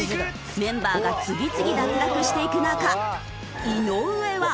メンバーが次々脱落していく中井上は。